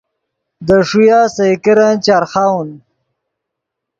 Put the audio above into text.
دے ݰویہ سئے کرن چرخاؤن